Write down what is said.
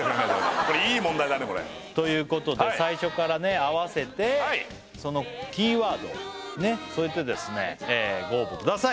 これいい問題だねこれということで最初からね合わせてそのキーワードをねっ添えてですねご応募ください！